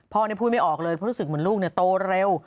พ่อเนี่ยพูดไม่ออกเลยเพราะรู้สึกเหมือนลูกเนี่ยโตเร็ว